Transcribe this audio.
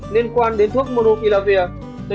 liên quan đến thuốc monopilavir